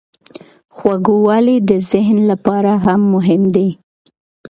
خوږوالی د ذهن لپاره هم مهم دی.